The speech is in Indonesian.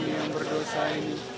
setelah kami yang berdosa ini